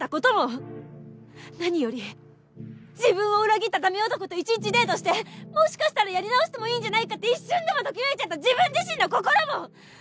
何より自分を裏切ったダメ男と一日デートしてもしかしたらやり直してもいいんじゃないかって一瞬でもときめいちゃった自分自身の心も！